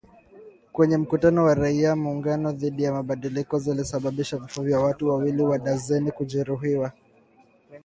Kwenye mkutano wa raia muungano dhidi ya mabadiliko zilisababisha vifo vya watu wawili na darzeni kujeruhiwa